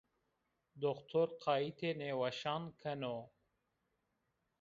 Doktor qayîtê nêweşan keno